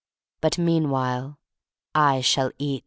But meanwhile I shall eat.